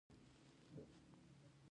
د سر د پوستکي د درد لپاره باید څه وکړم؟